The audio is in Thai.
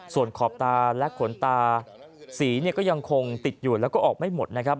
ส่วนขอบตาและขนตาสีเนี่ยก็ยังคงติดอยู่แล้วก็ออกไม่หมดนะครับ